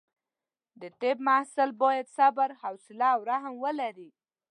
د طب محصل باید صبر، حوصله او رحم ولري.